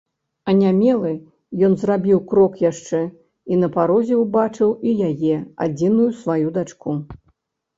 Анямелы, ён зрабіў крок яшчэ і на парозе ўбачыў і яе, адзіную сваю дачку.